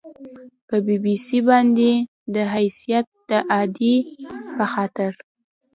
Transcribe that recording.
په بي بي سي باندې به د حیثیت د اعادې په خاطر